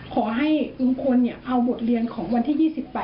ขอให้ลุงพลเอาบทเรียนของวันที่๒๘